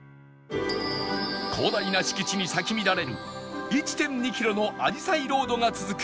広大な敷地に咲き乱れる １．２ キロのあじさいロードが続く